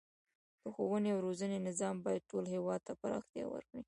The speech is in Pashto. د ښوونې او روزنې نظام باید ټول هیواد ته پراختیا ورکړي.